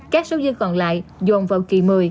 các số dân còn lại dồn vào kỳ một mươi